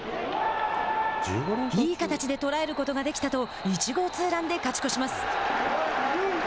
いい形で捉えることができたと１号ツーランで勝ち越します。